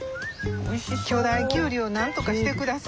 巨大きゅうりをなんとかして下さい。